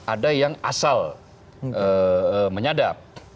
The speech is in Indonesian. ada yang asal menyadap